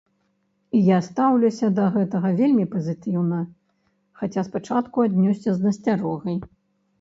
І я стаўлюся да гэтага вельмі пазітыўна, хаця спачатку аднёсся з насцярогай.